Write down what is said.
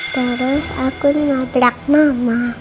terus aku nabrak mama